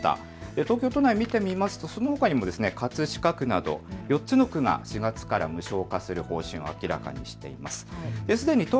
東京都内、見てみますとそのほかにも葛飾区など４つの区が４月から無償化する方針を明らかにしています。